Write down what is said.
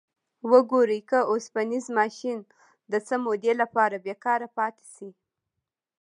وګورئ که اوسپنیز ماشین د څه مودې لپاره بیکاره پاتې شي.